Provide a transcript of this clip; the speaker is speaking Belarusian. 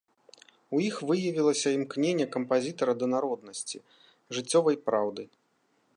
У іх выявілася імкненне кампазітара да народнасці, жыццёвай праўды.